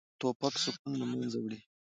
توپک سکون له منځه وړي.